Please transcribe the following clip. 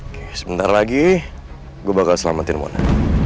oke sebentar lagi gue bakal selamatin money